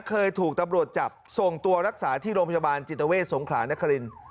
เคยถูกตำรวจจับส่งตัวรักษาที่โรงพยาบาลจิตเวทสงขลานคริน